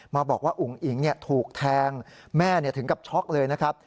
มาบอกว่าอุ๋งอิ๋งถูกแทงแม่ถึงกับช็อกเลยนะครับ